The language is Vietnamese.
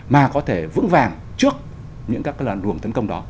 mà có thể vững vàng trước những các luồng tấn công đó